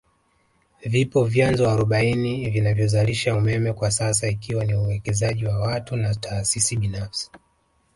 Vipo vyanzo arobaini vinavyozalisha umeme kwasasa ikiwa ni uwekezaji wa watu na taasisi binafsi